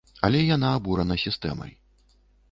Але яна абурана сістэмай.